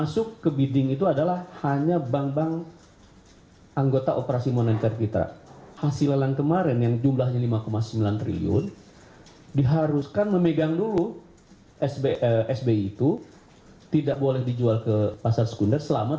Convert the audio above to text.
sbi dengan penawaran yang masuk rp empat sembilan triliun